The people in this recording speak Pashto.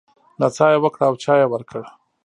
نڅا يې وکړه او چای يې ورکړ.